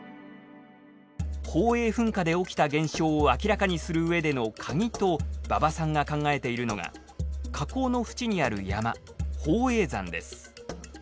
宝永噴火で起きた現象を明らかにするうえでのカギと馬場さんが考えているのが火口の縁にある山宝永山です。